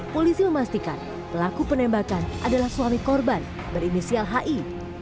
polisi memastikan pelaku penembakan adalah suami korban berinisial hi